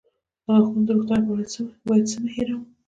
د غاښونو د روغتیا لپاره باید څه مه هیروم؟